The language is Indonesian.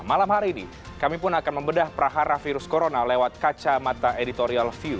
malam hari ini kami pun akan membedah prahara virus corona lewat kacamata editorial view